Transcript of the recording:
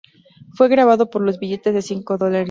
Fue grabado para los billetes de cinco dólares.